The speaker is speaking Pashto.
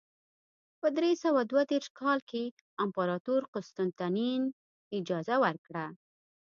په درې سوه دوه دېرش کال کې امپراتور قسطنطین اجازه ورکړه.